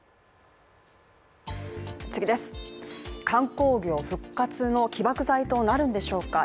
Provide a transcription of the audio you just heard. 観光業復活の起爆剤となるんでしょうか。